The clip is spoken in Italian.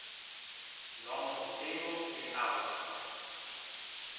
L'Omo Bottego e l'Auasc.